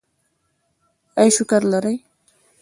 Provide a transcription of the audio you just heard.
ایا شکر لرئ؟